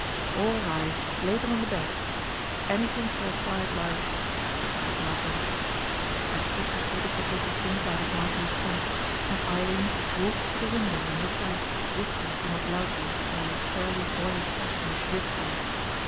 "All right; lay them on the bed. Anything for a quiet life," sighed Marjorie. Esther proceeded to take the things out of Marjorie's trunk, and Eileen walked to the window and looked out, whistling somewhat loudly and in a thoroughly boyish fashion as she did so.